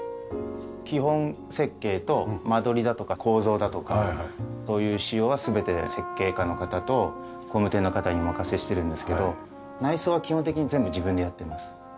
基本設計と間取りだとか構造だとかそういう仕様は全て設計家の方と工務店の方にお任せしてるんですけど内装は基本的に全部自分でやってます。